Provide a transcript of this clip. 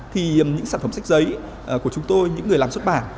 thì những sản phẩm sách giấy của chúng tôi những người làm xuất bản